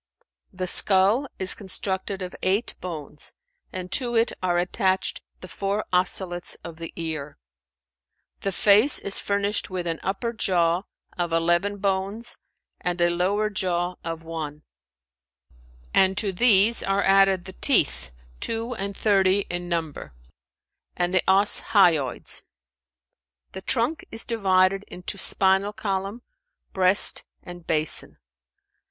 The skull is constructed of eight bones, and to it are attached the four osselets of the ear. The face is furnished with an upper jaw of eleven bones and a lower jaw of one; and to these are added the teeth two and thirty in number, and the os hyoides.[FN#396] The trunk is divided into spinal column, breast and basin.